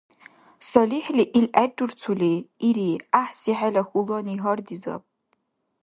СалихӀли, ил гӀеррурцули, ири: «ГӀяхӀси, хӀела хьулани гьардизаб».